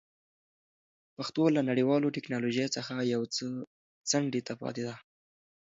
پښتو له نړیوالې ټکنالوژۍ څخه یو څه څنډې ته پاتې ده.